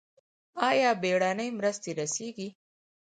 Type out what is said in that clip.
آیا بیړنۍ مرستې رسیږي؟